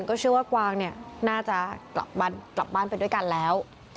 ก็เชื่อว่ากวางเนี่ยน่าจะกลับบ้านไปด้วยกันแล้ว